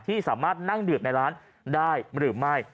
ที่สามารถนั่งดื่มในร้านได้หรือไม่